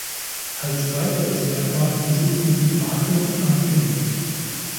Als weiteres Merkmale besitzen sie Barteln am Kinn.